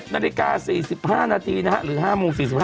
๑๗นาฬิกา๔๕นาทีนะครับหรือ๕โมง๔๕นาที